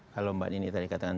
kalau mbak nini tadi katakan